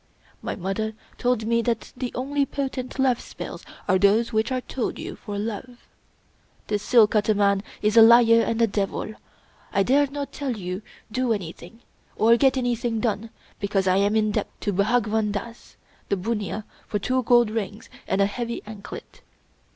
" My mother told me that the only potent love spells are those which are told you for love. This seal cutter man is a liar and a devil. I dare not tell, do anything, or get SLnything done, because I am in debt to Bhagwan Dass the bunnia for two gold rings and a heavy anklet.